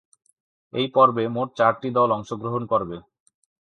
এই পর্বে মোট চারটি দল অংশগ্রহণ করবে।